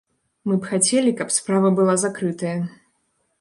Мы б хацелі, каб справа была закрытая.